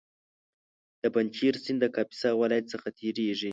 د پنجشېر سیند د کاپیسا ولایت څخه تېرېږي